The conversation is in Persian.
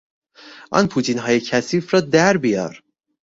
آن پوتینهای کثیف را در بیار!